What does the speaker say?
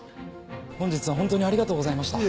本日は本当にありがとうございました。